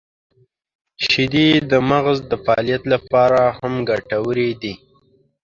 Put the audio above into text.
• شیدې د مغز د فعالیت لپاره هم ګټورې دي.